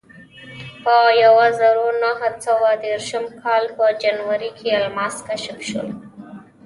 په یوه زرو نهه سوه دېرشم کال په جنورۍ کې الماس کشف شول.